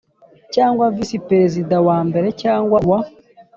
cyangwa visi perezida wa mbere cyangwa uwa